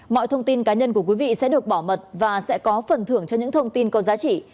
mọi thông tin cá nhân của quý vị sẽ được bảo mật và sẽ có phần thưởng cho những thông tin có giá trị